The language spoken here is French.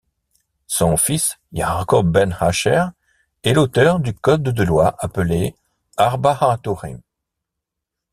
Son fils Yaakov ben Asher est l'auteur du code de loi appelé Arbaa Tourim.